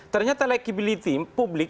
ternyata likability publik